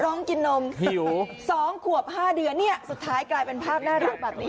น้องกินนม๒ขวบ๕เดือนเนี่ยสุดท้ายกลายเป็นภาพน่ารักแบบนี้